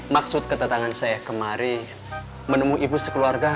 maksud kedatangan saya kemari menemu ibu sekeluarga